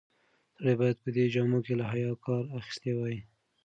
سړی باید په دې جامو کې له حیا کار اخیستی وای.